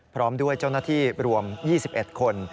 พร้อมด้วยเจ้าหน้าที่รวม๒๑คน